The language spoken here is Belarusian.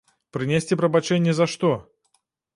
Прынесці прабачэнні за што?